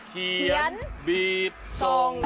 เขียนบีบส่ง